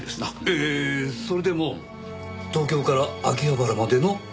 えっえっえっそれでも東京から秋葉原までの運賃？